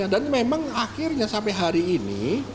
dan memang akhirnya sampai hari ini